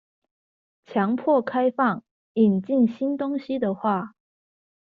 強迫開放、引進新東西的話